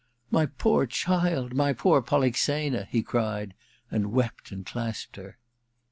* My poor child, my poor Polixena !' he cried, and wept and clasped her.